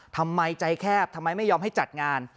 ทำไมใจแคบทำไมไม่ยอมให้จัดงาน